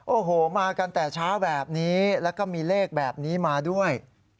โอ้โหมากันแต่เช้าแบบนี้แล้วก็มีเลขแบบนี้มาด้วย